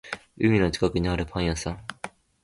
海の近くにあるパン屋さん